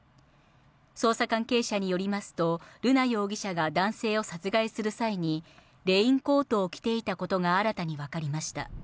捜査関係者によりますと、瑠奈容疑者が男性を殺害する際にレインコートを着ていたことが新たにわかりました。